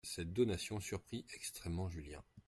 Cette donation surprit extrêmement Julien.